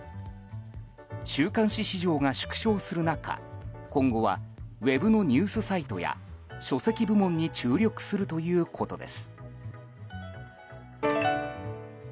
週刊誌市場が縮小する中今後はウェブのニュースサイトや書籍部門に注力するということです。